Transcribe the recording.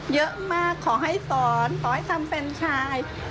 เยอะมากขอให้สอนขอให้ทำเป็นชาย